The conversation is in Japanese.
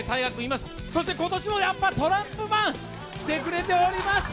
今年もやっぱりトランプマン、来てくれております。